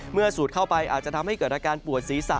สูดเข้าไปอาจจะทำให้เกิดอาการปวดศีรษะ